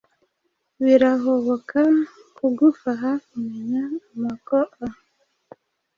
birahoboka kugufaha kumenya amakoa